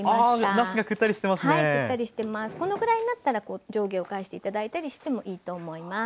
このくらいになったら上下を返して頂いたりしてもいいと思います。